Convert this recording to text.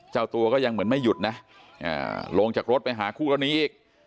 เจ้าตัวก็ยังเหมือนไม่หยุดนะลงจากรถไปหาคู่กรณีอีก